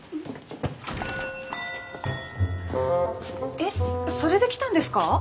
えっそれで来たんですか？